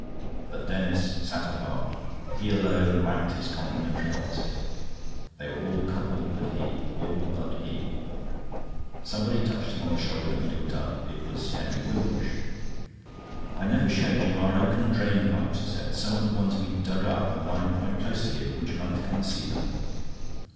But Denis sat apart; he alone lacked his complementary opposite. They were all coupled but he; all but he... Somebody touched him on the shoulder and he looked up. It was Henry Wimbush. "I never showed you our oaken drainpipes," he said. "Some of the ones we dug up are lying quite close to here. Would you like to come and see them?"